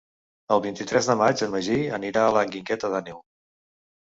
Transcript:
El vint-i-tres de maig en Magí anirà a la Guingueta d'Àneu.